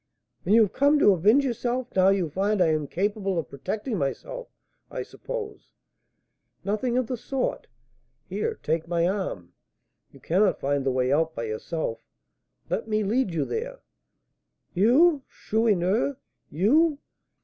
"And you have come to avenge yourself now you find I am incapable of protecting myself, I suppose?" "Nothing of the sort. Here, take my arm; you cannot find the way out by yourself; let me lead you there " "You, Chourineur? You!"